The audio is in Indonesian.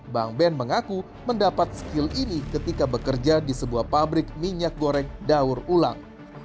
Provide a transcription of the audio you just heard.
bank ben mengaku mendapat skill ini ketika bekerja di sebuah pabrik minyak goreng daur ulang